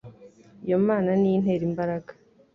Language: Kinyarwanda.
Iyo Mana ni yo intera imbaraga